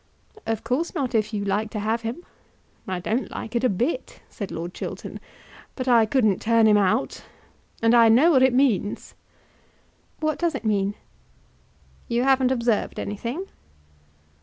"Of course not if you like to have him." "I don't like it a bit," said Lord Chiltern; "but I couldn't turn him out. And I know what it means." "What does it mean?" "You haven't observed anything?"